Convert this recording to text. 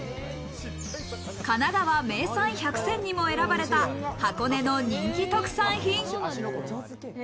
かながわ名産１００選にも選ばれた箱根の人気特産品。